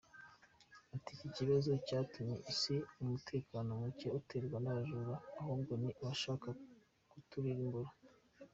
Ati « Iki kibazo cyatuzanye si umutekano muke uterwa n’abajura ahubwo ni abashaka kuturimbura.